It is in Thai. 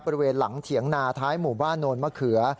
บริเวณหลังเถียงนาท้ายหมู่บ้านโนนมะเขือ